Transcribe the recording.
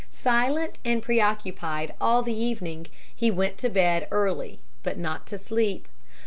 Silent and preoccupied all the evening, he went to bed early but not to sleep.